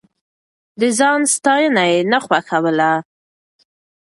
د ځان ستاينه يې نه خوښوله.